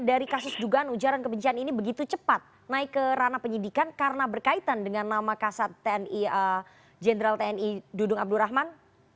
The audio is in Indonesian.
dari kasus dugaan ujaran kebencian ini begitu cepat naik ke ranah penyidikan karena berkaitan dengan nama kasat jenderal tni dudung abdurrahman